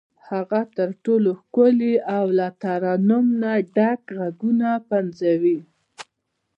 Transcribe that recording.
هغه تر ټولو ښکلي او له ترنمه ډک غږونه پنځوي.